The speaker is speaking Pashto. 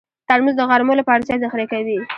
ترموز د غرمو لپاره چای ذخیره کوي.